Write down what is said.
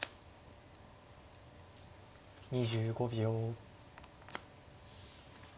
２５秒。